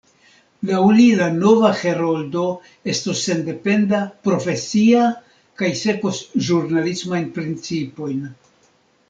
Laŭ li la nova Heroldo estos sendependa, profesia, kaj sekvos ĵurnalismajn principojn.